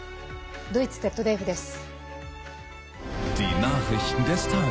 ドイツＺＤＦです。